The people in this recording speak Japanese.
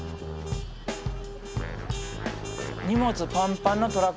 荷物パンパンのトラック